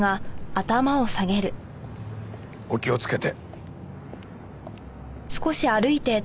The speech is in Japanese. お気をつけて。